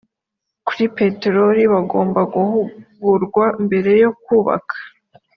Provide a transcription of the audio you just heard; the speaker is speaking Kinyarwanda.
kuri peteroli bagomba guhugurwa mbere yo kubaka